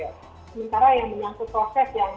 sementara yang menyangkut proses yang pasal seperti sekarang